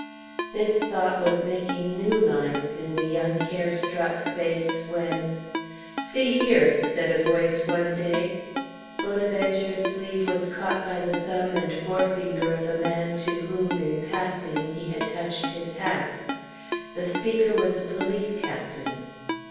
This thought was making new lines in the young care struck face, when "See here," said a voice one day. Bonaventure's sleeve was caught by the thumb and forefinger of a man to whom, in passing, he had touched his hat. The speaker was a police captain.